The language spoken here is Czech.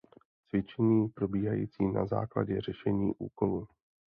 Cvičení probíhající na základě řešení úkolu.